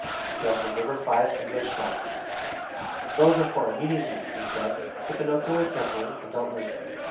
He also gave her five English sovereigns. "Those are for immediate use," he said. "Put the notes away carefully, and don't lose them.